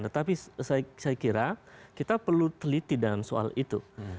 tetapi saya kira kita perlu teliti dalam soal itu